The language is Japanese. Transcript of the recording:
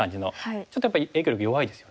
ちょっとやっぱり影響力弱いですよね。